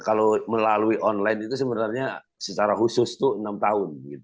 kalau melalui online itu sebenarnya secara khusus itu enam tahun